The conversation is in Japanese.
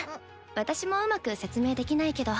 私もうまく説明できないけど。